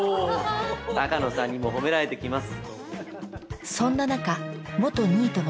鷹野さんにも褒められてきます。